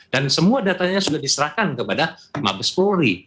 dan semua datanya sudah diserahkan kepada mabes polri